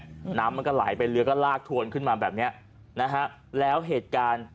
น้ำมันก็ไหลไปเรือก็ลากถวนขึ้นมาแบบเนี้ยนะฮะแล้วเหตุการณ์